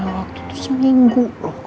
waktu tuh seminggu